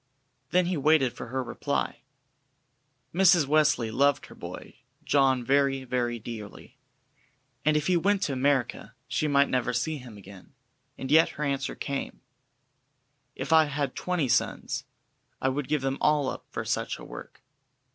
Then he waited for her reply. Mrs. Wesley loved her "boy" John very, very dearly, and if he went to America she might never see him again, and yet her answer came: "If I had twenty sons, I would give them all up for such a work."